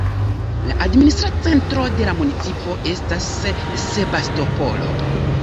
La administra centro de la municipo estas Sebastopolo.